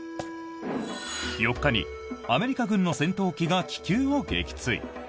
４日に、アメリカ軍の戦闘機が気球を撃墜。